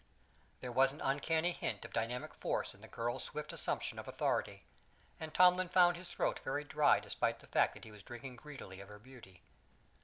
There was an uncanny hint of dynamic force in the girl's swift assumption of authority, and Tomlin found his throat very dry despite the fact that he was drinking greedily of her beauty.